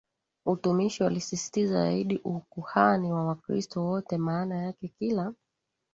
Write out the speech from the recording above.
utumishi Walisisitiza zaidi ukuhani wa Wakristo wote maana yake kila